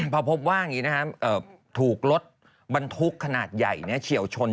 พอพบว่าอย่างนี้นะครับถูกรถบรรทุกขนาดใหญ่เฉียวชน